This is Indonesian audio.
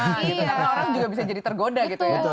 karena orang juga bisa jadi tergoda gitu ya